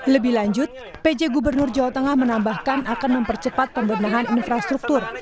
lebih lanjut pj gubernur jawa tengah menambahkan akan mempercepat pembenahan infrastruktur